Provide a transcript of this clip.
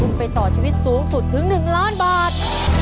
คุณไปต่อชีวิตสูงสุดถึง๑ล้านบาท